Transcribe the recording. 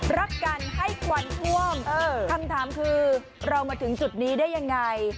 รักกันให้ควันท่วมคำถามคือเรามาถึงจุดนี้ได้ยังไง